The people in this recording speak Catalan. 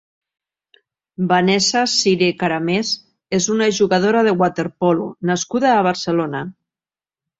Vanessa Siré Caramés és una jugadora de waterpolo nascuda a Barcelona.